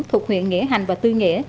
thuộc huyện nghĩa hành và tư nghĩa